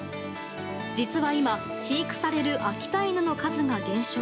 実は今飼育される秋田犬の数が減少。